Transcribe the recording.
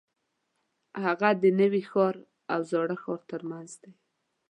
هغه د نوي ښار او زاړه ښار ترمنځ دی.